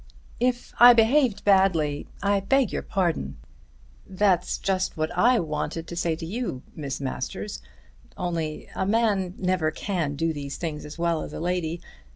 "If I behaved badly I beg your pardon," said Mary. "That's just what I wanted to say to you, Miss Masters, only a man never can do those things as well as a lady.